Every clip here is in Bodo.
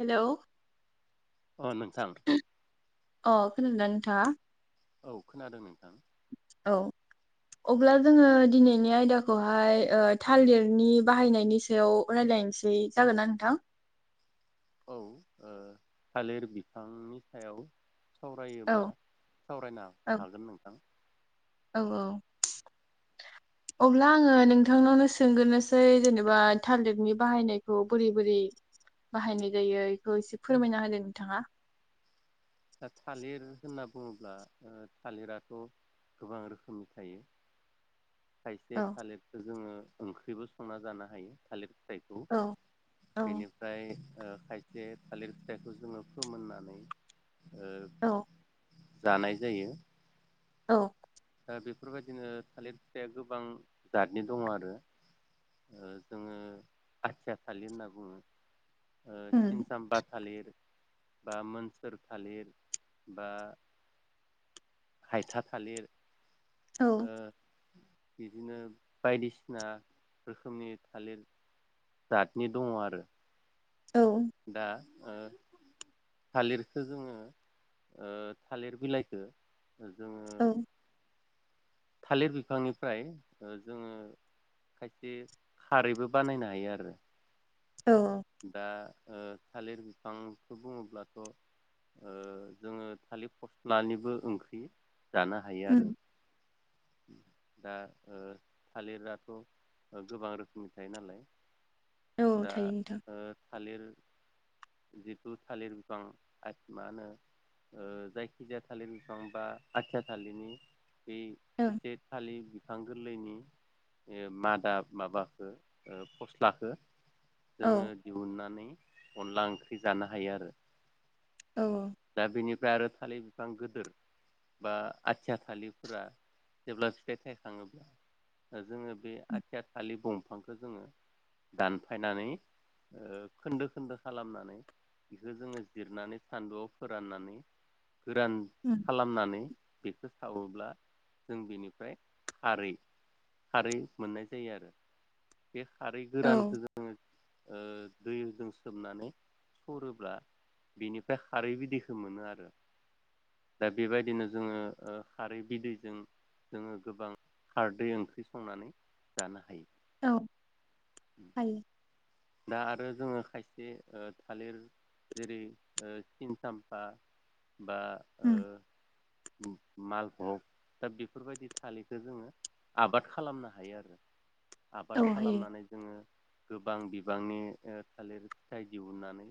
हेलौ अ नोंथां अ खोनादोंना नोंथाङा औ खोनादों नोंथां औ अब्ला जोङो दिनैनि आयदाखौहाय ओ थालिरनि बाहायनायनि सायाव रायलायनोसै जागोना नोंथां औ थालिर बिफांनि सायाव औ सावरायोब्ला सावरायनो औ हागोन नोंथां औ औ अब्ला आङो नोंथांनावनो सोंग्रोनोसै जेनेबा थालेटनि बाहायनायखौ बोरै बोरै बाहायनाय जायो बेखौ एसे फोरमायना होदों नोंथाङा दा थालिर होनना बुङोब्ला थालिराथ गोबां रोखोमनि थायो खायसे औ थालिरखौजोङो ओंख्रिबो संना जानो हायो थालिर बेखौ औ औ बेनिफ्राय ओ खायसे थालिर फिथाइखौ जोङो फोमोननानै ओ औ जानाय जायो। औ दा बेफोरबायदिनो थालिर फिथाइया गोबां जातनि दङ आरो ओ जोङो आथिया थालिर होनना बुङो। उम सिनसामपा थालिर बा मोनसोर थालिर बा हायथा थालिर औ ओ बिदिनो बायदिसिना रोखोमनि थालिर जाथनि दङ आरो औ दा ओ थालिरखो जोङो ओ थालिर बिलाइखौ जों औ थालिर बिफांनिफ्राय ओ जोङो खायसे खारैबो बानायनो हायो आरो औ दा ओ थालिर बिफांखौ बुङोब्लाथ' ओ जोङो थालिर फस्लानिबो ओंख्रि जानो हायो आरो उम दा ओ थालिराथ' गोबां रोखोमनि थायो नालाय औ दा थायो नोंथां ओ थालिर जिथु थालिर बिफां आ मा होनो ओ जायखिजाया थालिर बिफां बा आथिया थालिरनि ओं [unintelligible] बिफां गोरलैनि मादा माबाखौ फस्लाखो औ जोङो दिहुननानै अनला ओंख्रि जानो हायो आरो। औ फ्राय आरो थालिर बिफां गिदोर बा आथिया थाालिरफोरा जेब्ला फिथाइ थायखाङोब्ला जोङो बे आथिया थालिर दंफांखौ जोङो दानफायनानै ओ खोन्दो खोन्दो खालामनानै बेखौ जोङो जिरनानै सान्दुआव फोराननानै गोरान उम खालामनानै बेखौ सावोब्ला जों बेनिफ्राय खारै खारै मोननाय जायो आरो। बे खारै औ गोरानखौ जोङो ओ दैजों सोबनानै सरोब्ला बिनिफ्राय खारै बिदैखौ मोनो आरो दा बेबायदिनो जोङो ओ खारै बिदैजों जोङो गोबां खारदै ओंख्रि संनानै जानो हायो। औ हायो। दा आरो जोङो खायसे ओ थालिर जेरै- सिनसाम्फा बा उम ओ मालभग दा बेफोरबायदि थालिरखौ जोङो आबाद खालामनो हायो आरो। औ आबाद हायो खालामनानै जोङो गोबां बि बांनि ओ थालिर फिथाइ दिहुननानै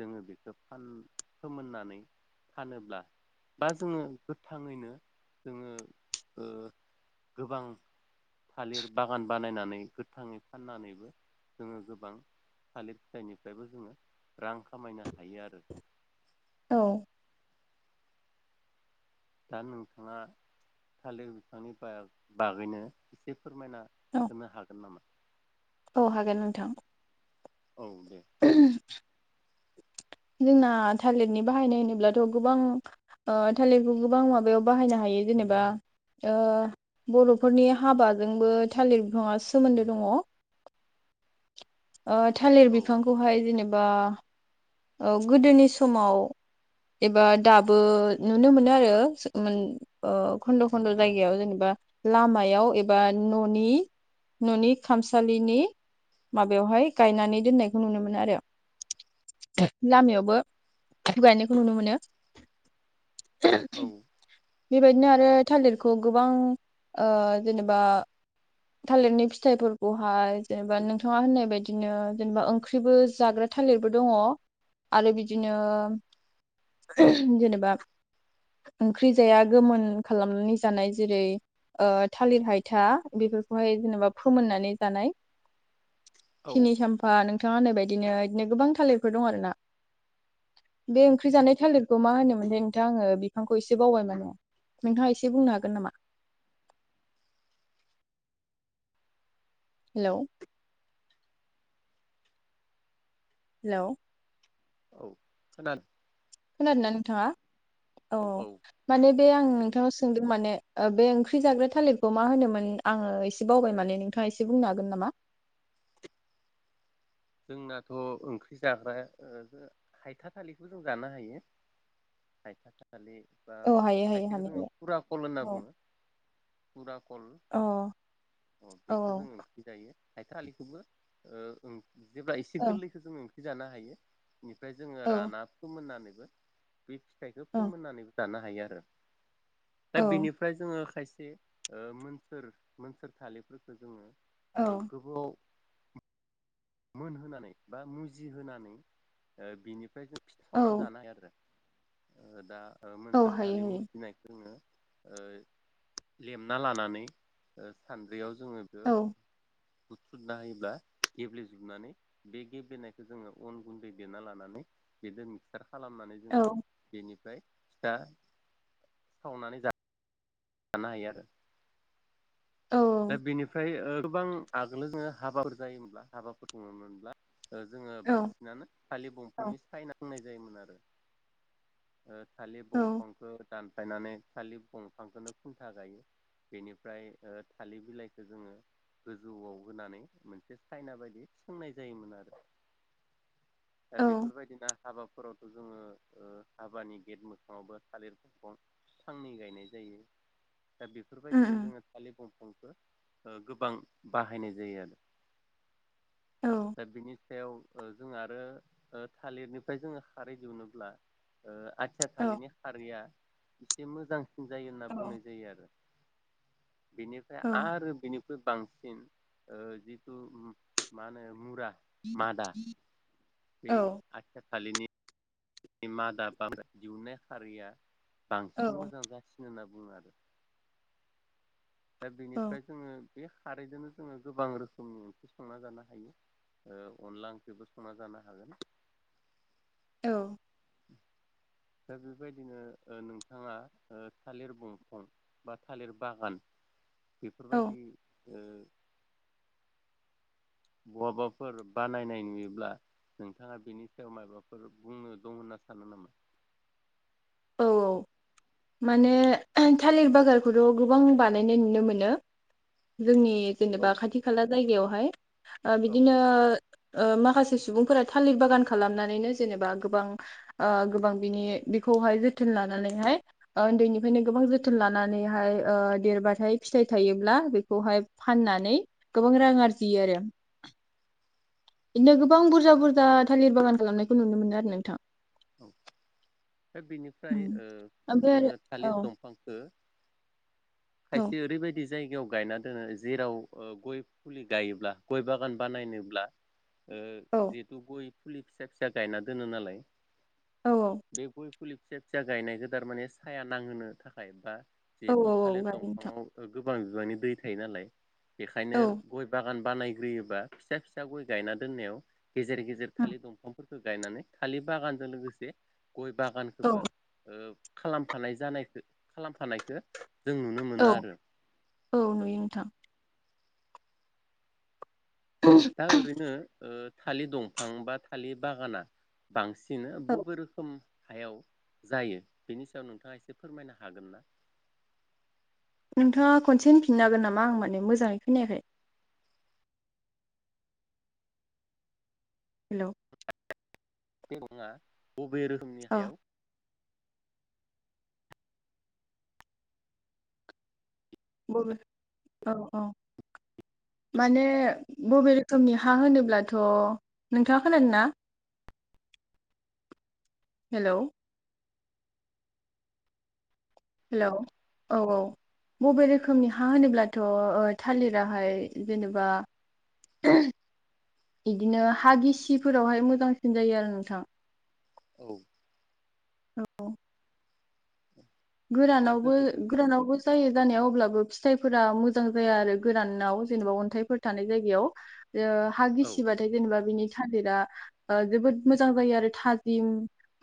जोङो बेखौ फान फोमोननानै फानोब्ला बा जोङो गोथाङैनो जोङो ओ गोबां थालिर बागान बानायनानै गोथाङै फाननानै जोङो गोबां थालिर फिथाइनिफ्रायबो जोङो रां खामायनो हायो आरो औ। दा नोंथाङा थालिर बिफांनि बा बागैनो एसे फोरमायना औ होनो हागोन नामा? औ हागोन नोंथां। औ दे। जोंना थालिरनि बाहायनाय होनोब्लाथ' गोबां ओ थालिरखौ गोबां माबायाव बाहायनो हायो जेनेबा ओ बर'फोरनि हाबाजोंबो थालिर बिफाङा सोमोन्दो दङ'। ओ थालिर औ बिफांखौहाय जेने बा औ गोदोनि समाव एबा दाबो नुनो मोनो आरो मोन ओ खन्द' खन्द' जायगायाव जेनेबा लामायाव एबा न'नि न'नि खामसालिनि माबायावहाय गायनानै दोननायखौ नुनो मोनो आरो लामायावबो गायनायखौ नुनो मोनो। औ [unintelligible] बेबायदिनो आरो थालिरखौ गोबां ओ जेनेबा थालिरनि फिथाइफोरखौहाय जेनेबा नोंथाङा होननाय बायदिनो जेनेबा ओंख्रिबो जाग्रा थालिरबो दङ' आरो बिदिनो जेनेबा ओंख्रि जाया गोमोन खालामनानै जानाय जेरै ओ थालिर हायथा बेफोरखौहाय जेनेबा फोमोननानै जानाय। औ सिनि सामफा नों थाङा होननाय बायदिनो बिदिनो गोबां थालिरफोर दं आरो ना। बे ओंख्रि जानाय थालिरखौ मा होनोमोनथाय नोंथा आङो बिफांखौ एसे बावबायमोन। नोंथाङा एसे बुंनो हागोन नामा? हेलौ। हेलौ। औ खोना खोनादों ना नोंथाङा? औ माने बे आं नोंथानाव सोंदों माने ओ बे ओंख्रि जाग्रा थालिरखौ मा होनोमोन आङो एसे बावबाय माने नोंथाङा एसे बुंनो हागोन नामा? जोंनाथ' ओंख्रि जाग्रा ओ हायथा थालिरखौ जों जानो हायो। हायथा थालि एबा औ हायो हायो खायसेखो जोङो हानायालाय फुरा कल होनना औ बुङो‌। फुरा कल अ औ अ बेखो जों औ ओंख्रि जायो। हायथा थालिखोबो ओ ओं जेब्ला एसे औ गोरलैखो जोङो ख्रि जानो हायो। बेनिफ्राय जोङो औ राना फोमोननानै बे फिथाइखौ औ फोमोननानैबो जानो हायो आरो दा औ बिनिफ्राय जोङो खायसे से अ मोनथोर मोनथोरथालिरफोरखौ जोङो ओ औ गोबाव मोनहोनानै बा मुजिहोनानै ओ बिनि ओमफ्राय खि सावना औ जानो हायो आरो ओ दा औ मोनथोर हायो थालि हायो मुजिनायखौ जोङो ओ लेमना लानानै ओ सानद्रियाव जोङो बो औ बुसुदा होयोब्ला गेब्ले जोबनानै बे गेब्ले बेनायखौ जोङो अन गुन्दै देना लानानै बेजों मिक्सार खालामनानै औ जोङो बेनिफ्राय फिथा सावनानै जा जानो हायो आरो दा बेनिफ्राय ओ गोबां आगोल जोङो हाबाफोर जायोमोनब्ला हाबाफोर खुङोनब्ला जोङो औ बांसिनानो खालि दंफांनि सायना होनाय जायोमोन आरो ओ थालि औ दंफांखौ दानफायनानै खालि दंफांखौनो खुन्था गायो बेनिफ्राय ओ थालिर बिलाइखौ जोङो गोजौआव होनानै मोनसे सायना बायदि सोंनाय जायोमोन आरो दा बेफोरबायदि दा हाबाफोरावथ' जोङो ओ हाबानि गेट मोखाङावबो थालिर फफं फांनै गायनाय जायो। दा उम बेफोरबायदिनो उम जोङो थालिर बं फांखो गोबां बाहायनाय जायो आरो औ दा बिनि सायाव जों आरो अ थालिरनिफ्राय जोङो खारै दिहोनोब्ला ओ आदथिया औ थालिनि खारैया इसे मोजां सिन जायो होनना औ बुंनाय जायो आरो बिनि औ आरो बेनि बांसिन जिथु मा होनो मुरा मदा बे आथि फालिनि नि मादाबा दिहुनाय खारैआ बांसिन मोजां जासिनो होन बुङो आरो दा बेनिफ्राय जोङो बे खारैजोंनो जोङो गोबां रोखोमनि ओंख्रि संना जानो हायो अनला ओंख्रिबो संना जानो हागोन। औ। दा बेबायदिनो नोंथाङा थालिर बंफां बा थालिर बागान औ बेफोरबायदि उम बहाबाफोर बानायनाय नुयोब्ला नोंथाङा बेनि सायाव माबाफोर बुंनो दं होनना सानो नामा? औ औ माने थालिर बागारखौथ' गोबां बानायनाय नुनो मोनो जोंनि औ जेनेबा खाथि खाला जागायावहाय ओ बिदिनो औ ओ माखासे सुबुंफोरा थालिर बागान खालामनानैनो जेनेबा गोबां ओ गोबां बिनि हाय जोथोन लानानैहाय उन्दैनिफ्रायनो गोबां जोथोन लानानैहाय देरबाथाय फिथाइ थायोब्ला बेखौहाय फाननानै गोबां रां आरजियो आरो बिदिनो गोबां बुरजा बुरजा थालिर बागान खालामनायखौ नुनो मोनो आरो नोंथां दा बिनिफ्राय उम ओमफ्राय जोङो थालिर आरो दंफांखौ औ खायसे ओरैबायदि जायगायाव गायना दोनो जेराव गय फुलि गायोब्ला गय बागान बानायनोब्ला ओ औ जिहेतु गय फुलि फिसा फिसा गायना दोनो नालाय औ औ बे गय फुलि फिसा फिसा गायनाय गोदार माने साया नांहोनो थाखाय बा औ जिहेतु औ औ थालिर गारि नोंथां दंफांआव गोबां बिबांनि दै थायो नालाय बेखायनो औ गय बागान बानायग्रोयोबा फिसा फिसा गय गायना दोननायाव गेजेर गेजेर थालिर दंफांफोर गायनानै थालिर बागानजों लोगोसे गय औ बागानखौबो ओ खालामफानाय जानायखौ खालामफानायखौ जों नुनो औ मोनो आरो औ नुयो नोंथां। दा ओरैनो ओ थालिर दंफां बा थालिर बागाना बांसि- नो बदिनो औ बबे रोखोम हायाव जायो बेनि सायाव नोंथाङा एसे फोरमायनो हागोन ना? नोंथाङा खनसे होनफिननो हागोन नामा? आं माने मोजाङै खोनायाखै। हेल' [unintelligible] बबे रोखोमनि औ हायाव बबे औ औ माने बबे रोखोमनि हा होनोब्लाथ' नोंथाङा खोनादों ना? हेलौ! हेल' औ जों औ। बबे रोखोमनि हा होनोब्लाथ' ओ थालिराहाय जेनेबा बिदिनो हा गिसिफोरावहाय मोजांसिन जायो आरो नोंथां। औ। औ। दा गोरानावबो जोङो बे गोरानावबो जायो जानायाव अब्लाबो फिथाइफोरा मोजां जाया आरो गोरानाव जेनेबा अन्थाइफोर थानाय जायगायाव। एयो हा औ गिसिबाथाय जेनेबा बिनि थालिरा ओ जोबोद मोजां जायो आरो थाजिम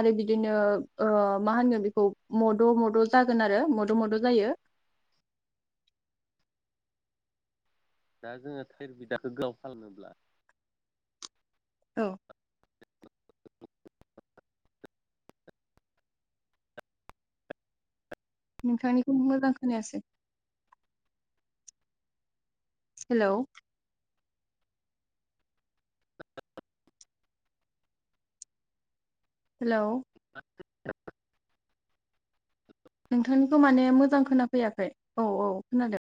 आरो बिदिनो ओ माहोनो बेखौ म- द' मद' जागोन आरो मद' मद' जायो। दा जोङो थिर बिदाखौ गोलाव खामनोब्ला औ। नोंथांनिखौ मोजां खोनायासै। हेल' हेलौ' [unintelligible] नोंथांनिखौ माने मोजां खोनाफैयाखै। औ औ खोनादों।